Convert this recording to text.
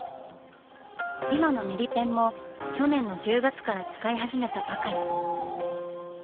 今のミリペンも去年の１０月から使い始めたばかり。